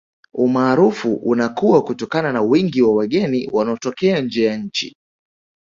Umaarufu unakuwa kutokana na wingi wa wageni wanaotokea nje ya nchi